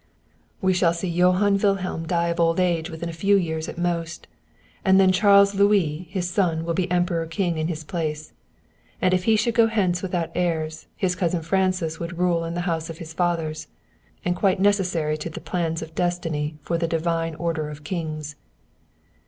"We shall see Johann Wilhelm die of old age within a few years at most; and then Charles Louis, his son, will be the Emperor king in his place; and if he should go hence without heirs, his cousin Francis would rule in the house of his fathers; and Francis is corrupt and worthless, and quite necessary to the plans of destiny for the divine order of kings."